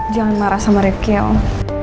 jangan marah sama requel om